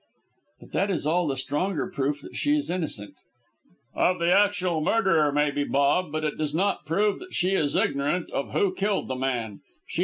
"But that is all the stronger proof that she is innocent." "Of the actual murder, maybe, Bob; but it does not prove that she is ignorant of who killed the man.